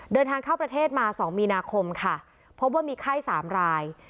เดินทางเข้าประเทศมา๒มีนาคมค่ะพบว่ามีไข้๓ราย